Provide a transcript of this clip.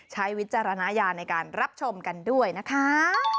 วิจารณญาณในการรับชมกันด้วยนะคะ